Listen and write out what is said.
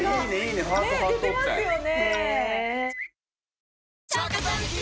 出てますよね。